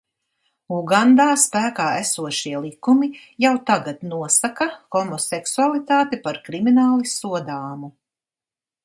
Ugandā spēkā esošie likumi jau tagad nosaka homoseksualitāti par krimināli sodāmu.